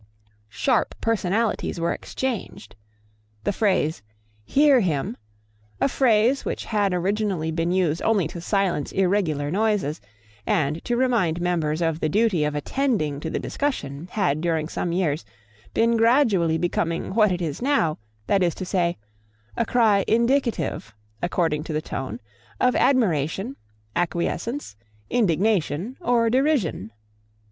Sharp personalities were exchanged. The phrase, "hear him," a phrase which had originally been used only to silence irregular noises, and to remind members of the duty of attending to the discussion, had, during some years, been gradually becoming what it now is; that is to say, a cry indicative, according to the tone, of admiration, acquiescence, indignation, or derision.